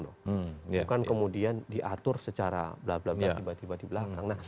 bukan kemudian diatur secara tiba tiba di belakang